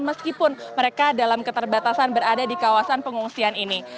meskipun mereka dalam keterbatasan berada di kawasan pengungsian ini